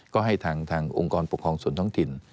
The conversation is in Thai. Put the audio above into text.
ก็ให้ทางองค์กรปกครองส่วนท้องถิ่น